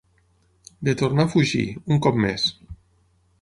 De tornar a fugir, un cop més.